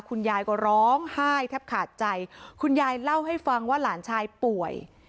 คุณยายก็ร้องไห้แทบขาดใจคุณยายเล่าให้ฟังว่าหลานชายป่วย